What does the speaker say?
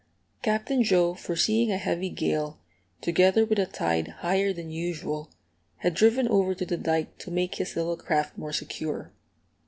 Captain Joe, foreseeing a heavy gale, together with a tide higher than usual, had driven over to the dike to make his little craft more secure.